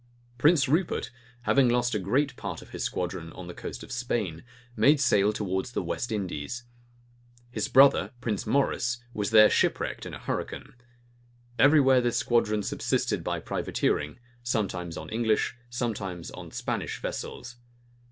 Prince Rupert, having lost a great part of his squadron on the coast of Spain, made sail towards the West Indies. His brother, Prince Maurice, was there shipwrecked in a hurricane. Every where this squadron subsisted by privateering, sometimes on English, sometimes on Spanish vessels.